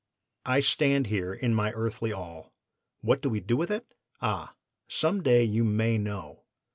I stand here in my earthly all. What do we do with it? Ah! some day you may know.